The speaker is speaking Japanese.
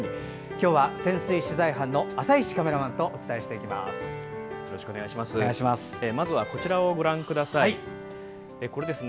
今日は潜水取材班の浅石カメラマンとお伝えしていきます。